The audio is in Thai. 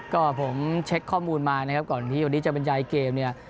ก็ผมเช็คข้อมูลมานะครับก่อนที่วันนี้จะบรรยายเกมเนี่ย